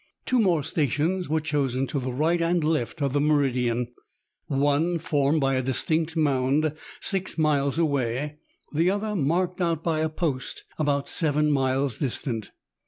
Two more stations were chosen to the right and left of the meridian ; one formed by a distinct mound, six miles away ; the other, marked out by a post about seven miles distant.